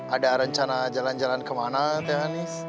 ada rencana jalan jalan kemana tehanis